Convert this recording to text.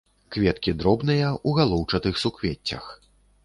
Кветкі дробныя, у галоўчатых суквеццях.